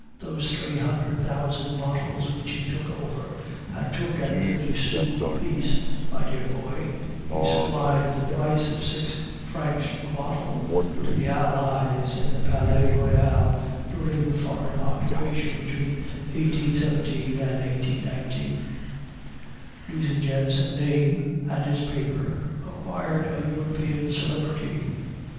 Those three hundred thousand bottles which he took over (and took at thirty sous apiece, my dear boy) he supplied at the price of six francs per bottle to the Allies in the Palais Royal during the foreign occupation, between 1817 and 1819. Nucingen's name and his paper acquired a European celebrity.